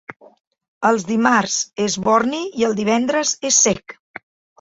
El dimarts és borni i el divendres és cec.